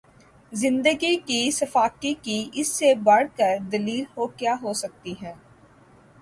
زندگی کی سفاکی کی اس سے بڑھ کر دلیل اور کیا ہوسکتی ہے